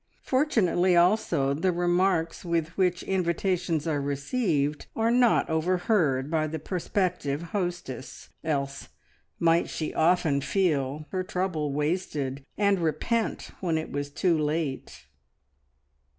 Fortunately also the remarks with which invitations are received are not overheard by the prospective hostess, else might she often feel her trouble wasted, and repent when it was too late.